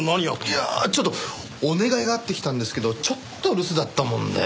いやあちょっとお願いがあって来たんですけどちょっと留守だったもんで。